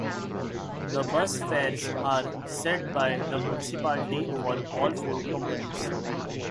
The bus fares are set by the municipality for all four companies.